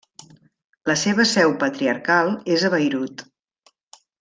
La seva seu patriarcal és a Beirut.